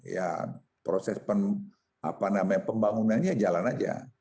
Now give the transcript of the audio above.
ya proses pembangunannya jalan aja